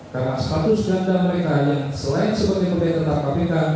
karena status ganda mereka yang selain sebagai pegawai tetap kpk